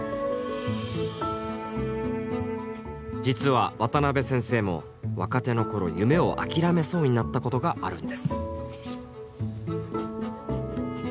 実は渡辺先生も若手の頃夢を諦めそうになったことがあるんです。